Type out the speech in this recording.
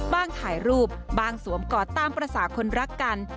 บ้างถ่ายรูปบ้างสวมก่อตามประสาคคลรักกัน